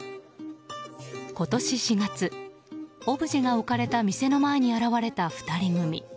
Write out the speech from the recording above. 今年４月、オブジェが置かれた店の前に現れた２人組。